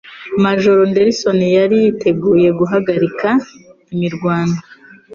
Majoro Anderson yari yiteguye guhagarika imirwano